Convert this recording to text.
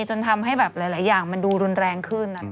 จนทำให้แบบหลายอย่างมันดูรุนแรงขึ้น